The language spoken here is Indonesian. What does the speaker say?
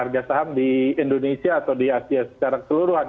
harga saham di indonesia atau di asia secara keseluruhan